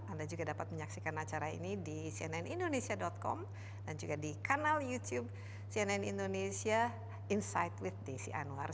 anda juga dapat menyaksikan acara ini di cnnindonesia com dan juga di kanal youtube cnn indonesia insight with desi anwar